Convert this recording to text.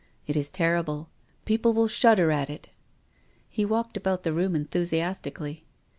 It is terrible. Peo ple will shudder at it." He walked about the room enthusiastically.